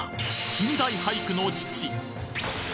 近代俳句の父